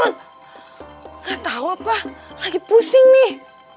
gak tau apa lagi pusing nih